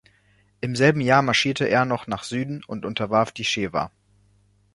Im selben Jahr marschierte er noch nach Süden und unterwarf die Shewa.